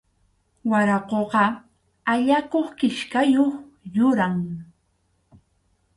Waraquqa allakuq kichkayuq yuram.